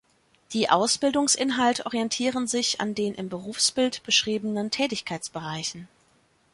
Die Ausbildungsinhalte orientieren sich an den im Berufsbild beschriebenen Tätigkeitsbereichen.